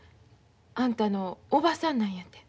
あんたのおばさんなんやて。